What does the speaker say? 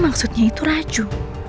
maksudnya itu raju